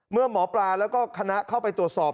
เมื่อหมอปลาแล้วก็คณะเข้าไปตรวจสอบ